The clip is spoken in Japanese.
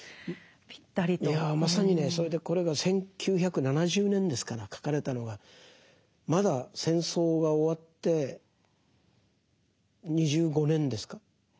それでこれが１９７０年ですから書かれたのがまだ戦争が終わって２５年ですか。